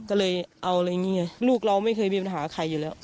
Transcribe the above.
ก็เลยเอาอะไรอย่างนี้ไงลูกเราไม่เคยมีปัญหาใครอยู่แล้ว